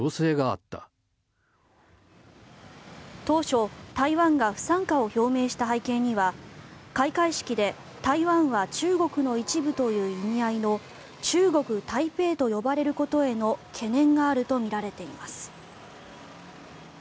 当初、台湾が不参加を表明した背景には開会式で、台湾は中国の一部という意味合いの中国台北と呼ばれることへの懸念があるとみられています。